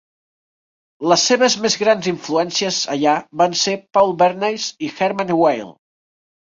Les seves més grans influències allà van ser Paul Bernays i Hermann Weyl.